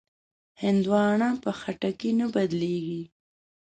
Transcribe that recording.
هندوانه په خټکي نه بدلېږي.